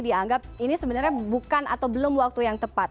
dianggap ini sebenarnya bukan atau belum waktu yang tepat